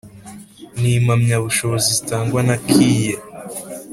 N impamyabushobozi zitangwa na kie